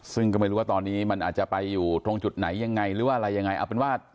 ซึ่งก็ไม่รู้ว่าตอนนี้มันอาจจะไปอยู่ตรงจุดไหนยังไงหรือว่าอะไรยังไงเอาเป็นว่า